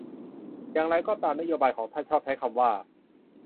อย่างไรก็ตามนโยบายของท่านชอบใช้คำว่า